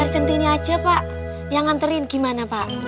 biar cinti ini aja pak yang nganterin gimana pak